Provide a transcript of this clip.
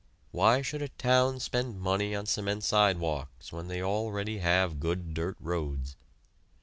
Why should a town spend money on cement sidewalks when they already have good dirt roads?